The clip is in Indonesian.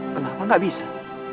kenapa tidak bisa